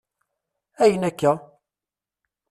Ayyen akka?